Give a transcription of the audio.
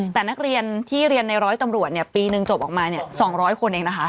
แต่นักเรียนที่เรียนในร้อยตำรวจปีนึงจบออกมา๒๐๐คนเองนะคะ